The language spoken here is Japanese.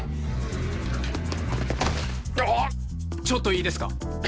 ちょっといいですか？